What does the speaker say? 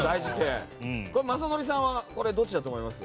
雅紀さんはどっちだと思いますか？